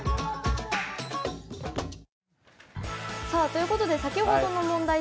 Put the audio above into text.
Ｃ！ということで先ほどの問題